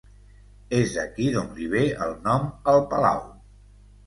És d'aquí d'on li ve el nom al palau.